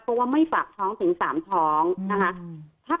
เพราะว่าไม่ปากท้องถึง๓ท้องนะคะ